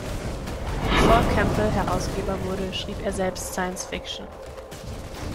Bevor Campbell Herausgeber wurde, schrieb er selbst Science Fiction.